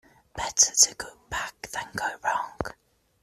Better to go back than go wrong.